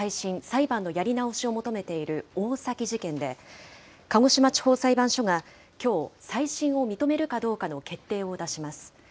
・裁判のやり直しを求めている大崎事件で、鹿児島地方裁判所がきょう、再審を認めるかどうかの決定を出します。